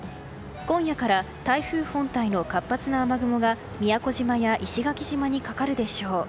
今夜から台風本体の活発な雨雲が宮古島や石垣島にかかるでしょう。